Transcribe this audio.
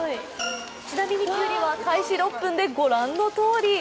ちなみにきゅうりは開始６分で御覧のとおり。